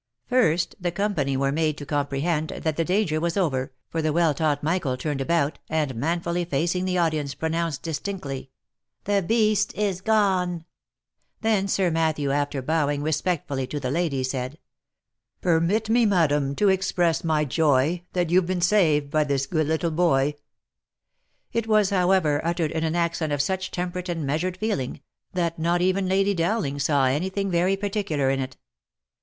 First the company were made to comprehend that the danger was over, for the well taught Michael turned about, and manfully facing the audience, pronounced distinctly " The beast is gone I" Then Sir Matthew, after bowing respectfully to the lady, said, "Permit me, madam, to express my joy, That you've been saved by this good little boy." It was, however, uttered in an accent of such temperate and measured feeling, that not even Lady Dowling saw anything very particular in it.